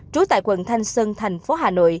trú tại quận thanh sơn thành phố hành